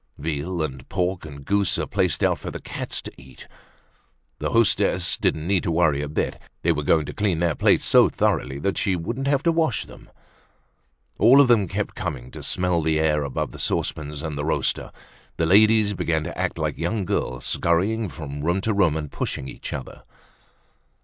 Veal and pork and goose are placed out for the cats to eat. The hostess didn't need to worry a bit, they were going to clean their plates so thoroughly that she wouldn't have to wash them. All of them kept coming to smell the air above the saucepans and the roaster. The ladies began to act like young girls, scurrying from room to room and pushing each other.